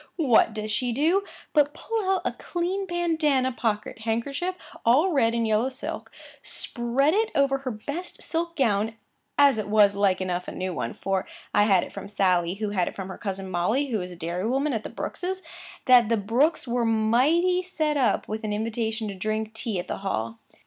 what does she do, but pull out a clean Bandanna pocket handkerchief all red and yellow silk, spread it over her best silk gown; it was, like enough, a new one, for I had it from Sally, who had it from her cousin Molly, who is dairy woman at the Brookes', that the Brookes were mighty set up with an invitation to drink tea at the Hall.